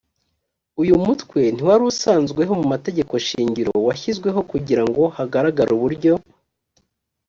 uyu mutwe ntiwari usanzweho mu mategeko shingiro washyizweho kugirango hagaragare uburyo